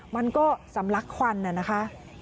มันก็สำลักควันน่ะนะคะ